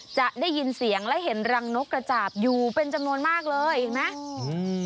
จะได้ยินเสียงและเห็นรังนกกระจาบอยู่เป็นจำนวนมากเลยเห็นไหมอืม